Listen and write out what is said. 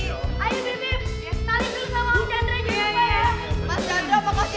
ayo bibir saling bela sama om chandra juga ya